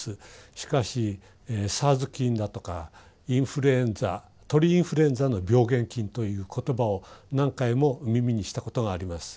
しかしＳＡＲＳ菌だとかインフルエンザ鳥インフルエンザの病原菌という言葉を何回も耳にしたことがあります。